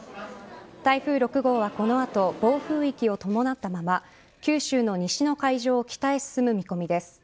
台風６号はこの後、暴風域を伴ったまま九州の西の海上を北へ進む見込みです。